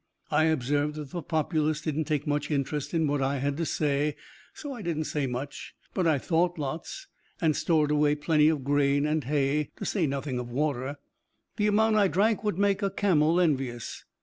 I observed that the populace didn't take much interest in what I had to say, so I didn't say much, but I thought lots, and stored away plenty of grain and hay, to say nothing of water. The amount I drank would make a camel envious.